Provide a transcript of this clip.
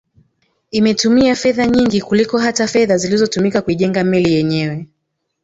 Imetumia fedha nyingi kuliko hata fedha zilizotumika kuijenga meli yenyewe